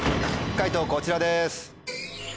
解答こちらです。